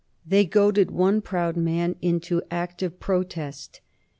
They goaded one proud man into active protest.